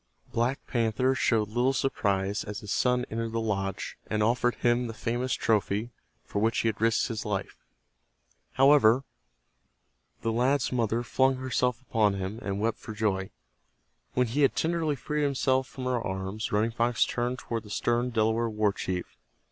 Black Panther showed little surprise as his son entered the lodge, and offered him the famous trophy for which he had risked his life. However, the lad's mother flung herself upon him, and wept for joy. When he had tenderly freed himself from her arms, Running Fox turned toward the stern Delaware war chief.